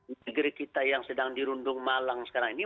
di negeri kita yang sedang dirundung malang sekarang ini